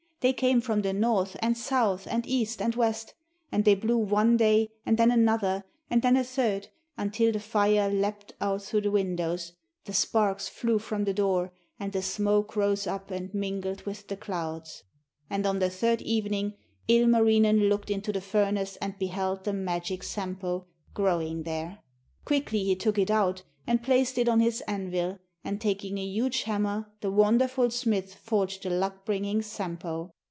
They came from the North and South and East and West, and they blew one day and then another and then a third, until the fire leapt out through the windows, the sparks flew from the door, and the smoke rose up and mingled with the clouds. And on the third evening Ilmarinen looked into the furnace and beheld the magic Sampo growing there. Quickly he took it out and placed it on his anvil, and taking a huge hammer the wonderful smith forged the luck bringing Sampo.